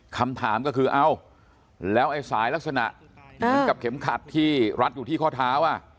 คำถามก็คือเอ้าแล้วไอ้สายลักษณะเหมือนกับเข็มขัดที่รัดอยู่ที่ข้อเท้า